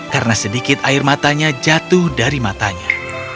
karena sedikit air matanya jatuh dari matanya